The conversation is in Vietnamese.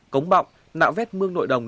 cống bọc nạo vét mương nội đồng